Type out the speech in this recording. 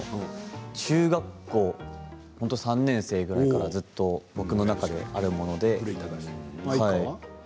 中学校３年生くらいからずっと僕の中であるもので。